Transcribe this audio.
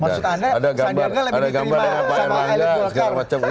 maksud anda pak sandiaga lebih diterima sama pak elif golkar